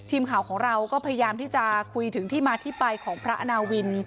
ทีมข่าวของเราก็พยายามที่จะคุยถึงที่มาที่ไปของพระอาณาวิน